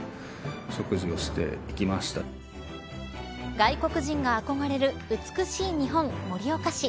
外国人が憧れる美しい日本盛岡市。